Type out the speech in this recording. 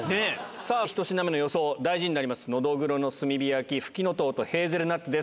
さあ、１品目の予想、大事になります、ノドグロの炭火焼、蕗の薹とヘーゼルナッツです。